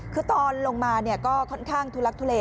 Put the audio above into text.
คือตอนลงมาเนี่ยก็ค่อนข้างทุลักษณ์ทุเล